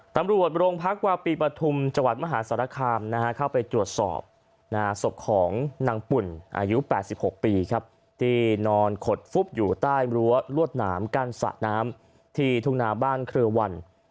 ตำรวจโรงพักวาปีปฐุมจังหวัดมหาสารคามเข้าไปตรวจสอบศพของนางปุ่นอายุ๘๖ปีครับที่นอนขดฟุบอยู่ใต้รั้วลวดหนามกั้นสระน้ำที่ทุ่งนาบ้านเครือวัน